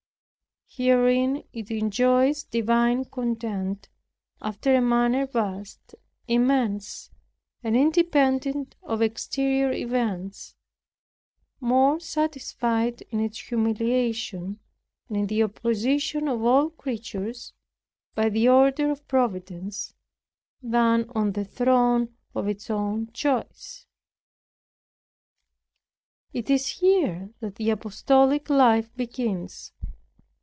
Herein it enjoys divine content, after a manner vast, immense, and independent of exterior events; more satisfied in its humiliation, and in the opposition of all creatures, by the order of Providence, than on the throne of its own choice. It is here that the apostolic life begins.